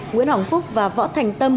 nguyễn hỏng phúc và võ thành tâm